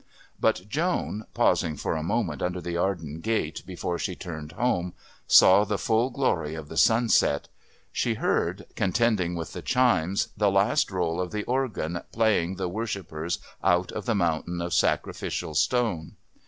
But Joan, pausing for a moment under the Arden Gate before she turned home, saw the full glory of the sunset. She heard, contending with the chimes, the last roll of the organ playing the worshippers out of that mountain of sacrificial stone.